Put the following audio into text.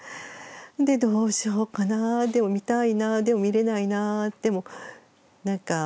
でどうしようかなでも見たいなでも見れないなでもなんか。